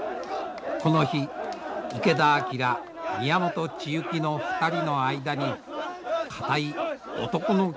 この日池田晃宮本智幸の２人の間に固い男の絆が生まれました。